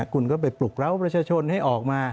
คุณก็ไปปลุกเล้าประชาชนให้ออกมา